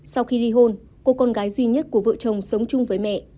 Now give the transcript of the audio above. sau khi ly hôn cô con gái duy nhất của vợ chồng sống chung với mẹ